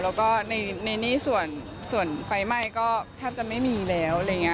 แล้วก็ในนี่ส่วนไฟไหม้ก็แทบจะไม่มีแล้ว